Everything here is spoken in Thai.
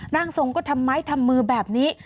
ร่างทรงก็ทำไม้ทำมือแบบนี้